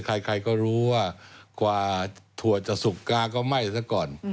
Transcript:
ใครก็รู้ว่ากว่าถั่วจะสุกกาก็ไหม้ซะก่อน